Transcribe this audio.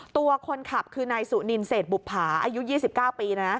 ตัวคนขับคือนายสุนินเศษบุภาอายุ๒๙ปีนะ